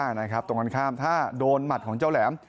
ให้ลงได้นะครับตรงกันข้ามถ้าโดนหมดของเจ้าแหลม